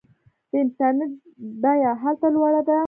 د انټرنیټ بیه هلته لوړه ده.